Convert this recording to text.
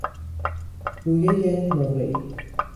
رویهی نقرهای